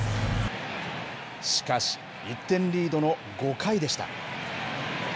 しかし、１点リードの５回でした。